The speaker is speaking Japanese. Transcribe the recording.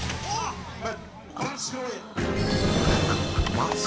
マジ？